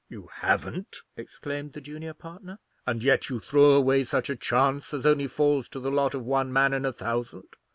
"You haven't!" exclaimed the junior partner; "and yet you throw away such a chance as only falls to the lot of one man in a thousand!